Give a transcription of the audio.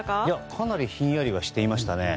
かなりひんやりはしていましたね。